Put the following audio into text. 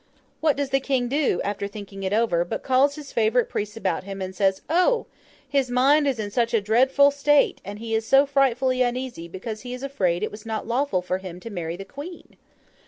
What does the King do, after thinking it over, but calls his favourite priests about him, and says, O! his mind is in such a dreadful state, and he is so frightfully uneasy, because he is afraid it was not lawful for him to marry the Queen!